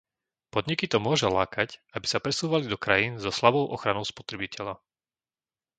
Podniky to môže lákať, aby sa presúvali do krajín so slabou ochranou spotrebiteľa.